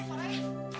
eh parah ya